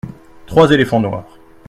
Trois éléphants noirs.